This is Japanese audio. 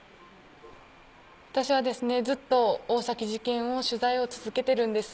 私はですねずっと大崎事件の取材を続けてるんです。